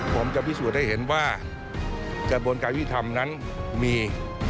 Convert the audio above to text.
ผมจะพิสูจน์ให้เห็นว่ากระบวนการยุทธรรมนั้นมี